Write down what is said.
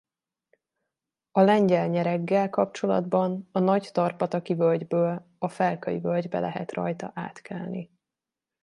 A Lengyel-nyereggel kapcsolatban a Nagy-Tarpataki-völgyből a Felkai-völgybe lehet rajta átkelni.